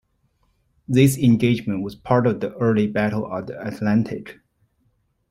This engagement was part of the early Battle of the Atlantic.